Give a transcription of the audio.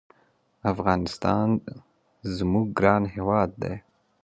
افغانستان زمونږ ګران هېواد دی